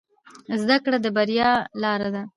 زده کړه د بریا لاره ده